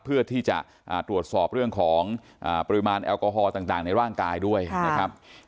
เพื่อที่จะตรวจสอบเรื่องของปริมาณแอลกอฮอล์ต่างในร่างกายด้วยนะครับ